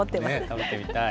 食べてみたい。